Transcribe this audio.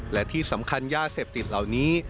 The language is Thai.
และที่สำคัญยาเสพติดเหล่านี้